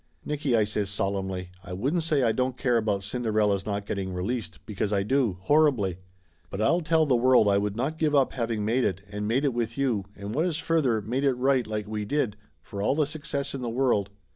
"Nicky," I says solemnly, "I wouldn't say I don't care about Cinderella's not getting released, because I do horribly ! But I'll tell the world I would not give up having made it, and made it with you, and what is further, made it right, like we did, for all the success in the world.